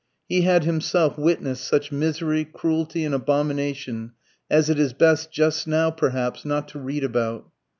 He had himself witnessed such misery, cruelty, and abomination as it is best just now, perhaps, not to read about.